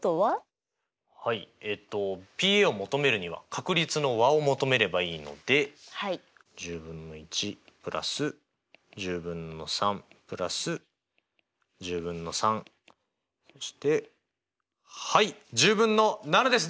はいえっとＰを求めるには確率の和を求めればいいので１０分の１＋１０分の３＋１０分の３としてはい１０分の７です！